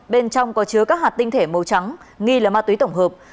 bên trong có chứa các hạt tinh thể màu trắng nghi là ma túy tổng hợp